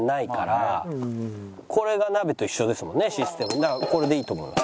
だからこれでいいと思います。